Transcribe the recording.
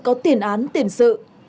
có tiền án tiền sự